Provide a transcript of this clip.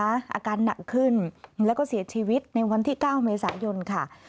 อาการหนักขึ้นแล้วก็เสียชีวิตในวันที่๙เมษายนค่ะ